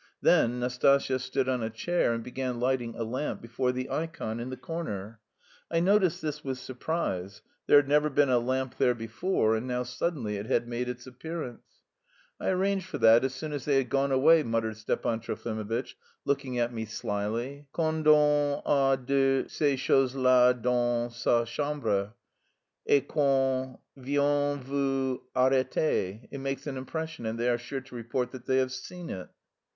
Then Nastasya stood on a chair and began lighting a lamp before the ikon in the corner. I noticed this with surprise; there had never been a lamp there before and now suddenly it had made its appearance. "I arranged for that as soon as they had gone away," muttered Stepan Trofimovitch, looking at me slyly. "Quand on a de ces choses là dans sa chambre et qu'on vient vous arrêter it makes an impression and they are sure to report that they have seen it...."